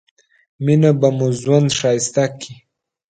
مينه به مو ژوند ښايسته کړي